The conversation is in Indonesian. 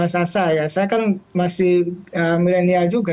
saya kan masih millennial juga